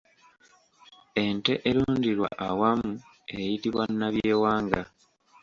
Ente erundirwa awamu eyitibwa nabyewanga.